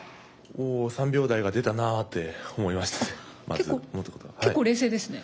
おお、３秒台が出たなと思いました。